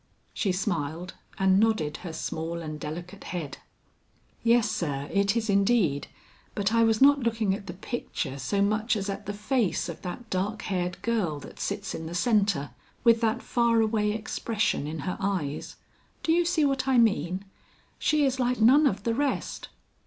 She smiled and nodded her small and delicate head. "Yes sir, it is indeed, but I was not looking at the picture so much as at the face of that dark haired girl that sits in the centre, with that far away expression in her eyes. Do you see what I mean? She is like none of the rest.